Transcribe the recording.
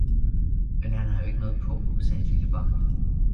Men han har jo ikke noget på, sagde et lille barn